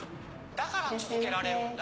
だから続けられるんだ。